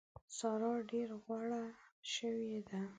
سارا ډېره غوړه شوې ده.